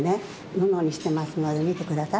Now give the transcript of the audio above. ぬのにしてますのでみてください。